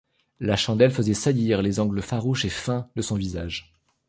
La chandelle faisait saillir les angles farouches et fins de son visage.